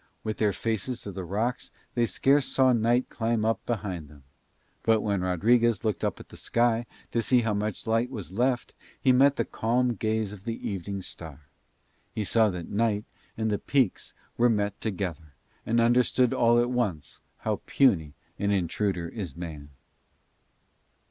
With their faces to the rocks they scarce saw night climb up behind them. But when Rodriguez looked up at the sky to see how much light was left, and met the calm gaze of the evening star, he saw that Night and the peaks were met together, and understood all at once how puny an intruder is man.